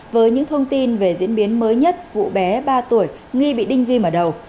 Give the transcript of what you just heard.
với những thông tin về diễn biến mới nhất cụ bé ba tuổi nghi bị đinh ghi mở đầu